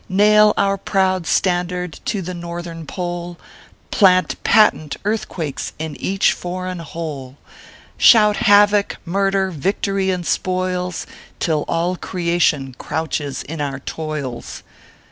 Nail our proud standard to the Northern Pole, Plant patent earthquakes in each foreign hole! Shout havoc, murder, victory, and spoils, Till all creation crouches in our toils